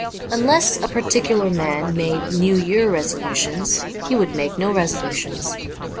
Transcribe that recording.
Unless a particular man made New Year resolutions, he would make no resolutions.